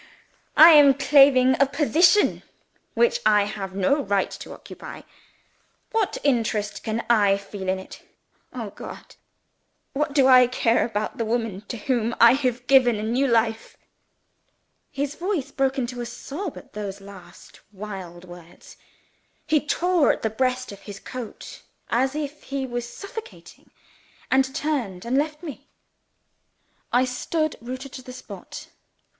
I am claiming a position which I have no right to occupy. What interest can I feel in it? Oh God! what do I care about the woman to whom I have given a new life?" His voice broke into a sob at those last wild words. He tore at the breast of his coat as if he was suffocating and turned, and left me. I stood rooted to the spot.